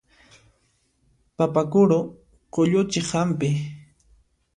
Papa kuru qulluchiq hampi.